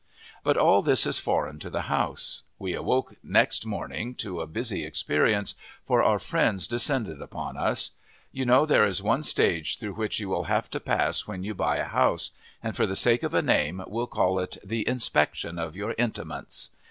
But all this is foreign to the House. We awoke next morning to a busy experience, for our friends descended upon us. You know there is one stage through which you will have to pass when you buy a house, and for the sake of a name we'll call it the Inspection of Your Intimates.